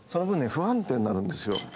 不安定になるんですよ。